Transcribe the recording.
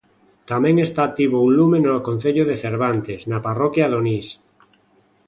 Tamén está activo un lume no concello de Cervantes, na parroquia Donís.